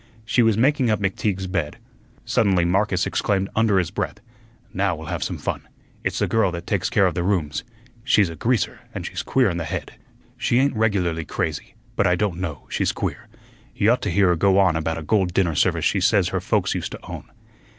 She was making up McTeague's bed. Suddenly Marcus exclaimed under his breath: "Now we'll have some fun. It's the girl that takes care of the rooms. She's a greaser, and she's queer in the head. She ain't regularly crazy, but I don't know, she's queer. Y'ought to hear her go on about a gold dinner service she says her folks used to own.